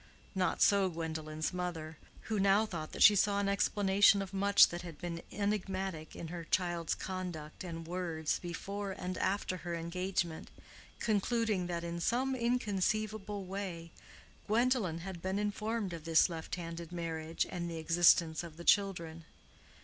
Not so Gwendolen's mother, who now thought that she saw an explanation of much that had been enigmatic in her child's conduct and words before and after her engagement, concluding that in some inconceivable way Gwendolen had been informed of this left handed marriage and the existence of the children.